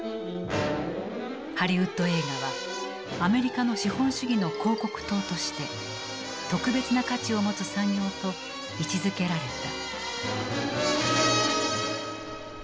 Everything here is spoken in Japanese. ハリウッド映画はアメリカの資本主義の広告塔として特別な価値を持つ産業と位置づけられた。